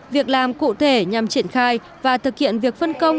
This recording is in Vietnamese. việc làm cụ thể nhằm triển khai và thực hiện việc phân công